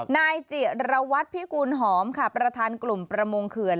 นายจิระวัสพีคูณหอมประธานกลุ่มประมงเขือน